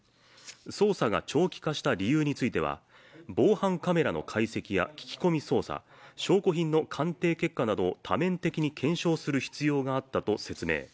捜査が長期化した理由については防犯カメラの解析や聞き込み捜査、証拠品の鑑定結果などを多面的に検証する必要があったと説明。